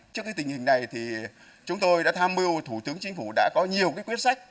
trước cái tình hình này thì chúng tôi đã tham mưu thủ tướng chính phủ đã có nhiều quyết sách